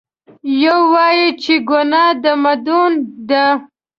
یو وایي چې ګناه د مدون ده.